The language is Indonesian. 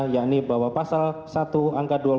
yakni bahwa pasal satu angka dua puluh